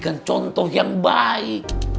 untuk mencari contoh yang baik